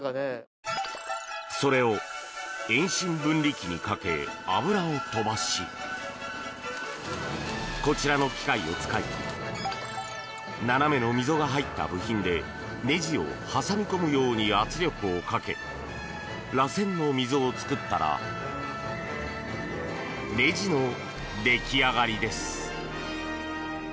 それを、遠心分離機にかけ油を飛ばしこちらの機械を使い斜めの溝が入った部品でねじを挟み込むように圧力をかけらせんの溝を作ったらねじの出来上がりです。